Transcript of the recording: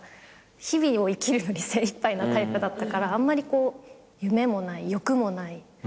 日々を生きるのに精いっぱいなタイプだったからあんまり夢もない欲もない。